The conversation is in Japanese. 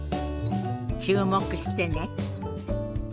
注目してね。